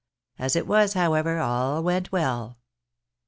As it was, however, all went well.